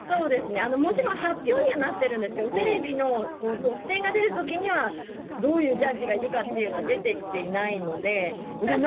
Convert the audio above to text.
文字の発表にはなってるんですけどテレビの得点が出る時にはどういうジャッジがいるかというのは出てきていないので。